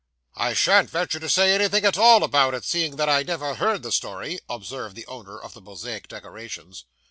'I shan't venture to say anything at all about it, seeing that I never heard the story,' observed the owner of the Mosaic decorations.